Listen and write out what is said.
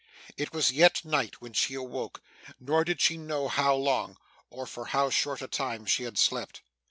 It was yet night when she awoke, nor did she know how long, or for how short a time, she had slept.